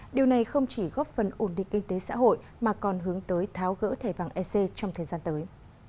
điều này không chỉ góp phần ổn định kinh tế xã hội mà còn hướng tới tháo gỡ thẻ vàng ec trong thời gian tới